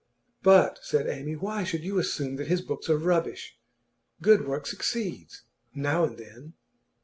'But,' said Amy, 'why should you assume that his books are rubbish? Good work succeeds now and then.